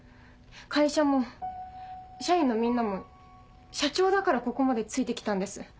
会社も社員のみんなも社長だからここまでついて来たんです。